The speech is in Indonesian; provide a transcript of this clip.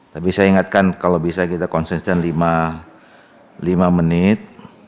tapi saya ingatkan kalau bisa kita konsisten lima menit